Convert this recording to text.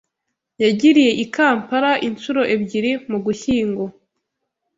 yagiriye i Kampala inshuro ebyiri mu Ugushyingo